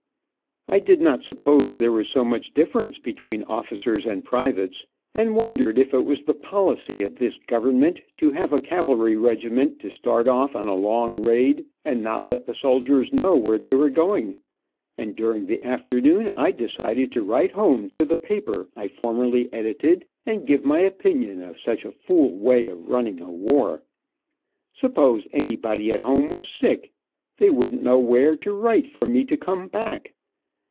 I did not suppose there was so much difference between officers and privates, and wondered if it was the policy of this government to have a cavalry regiment to start off on a long raid and not let the soldiers know where they were going, and during the afternoon I decided to write home to the paper I formerly edited and give my opinion of such a fool way of running a war. Suppose anybody at home was sick, they wouldn't know where to write for me to come back.